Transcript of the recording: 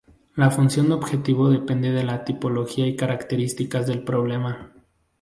La función objetivo depende de la tipología y características del problema.